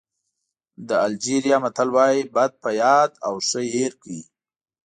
د الجېریا متل وایي بد په یاد او ښه هېر کړئ.